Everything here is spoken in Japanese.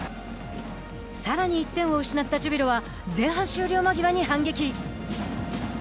さらに１点を失ったジュビロは前半終了間際に反撃。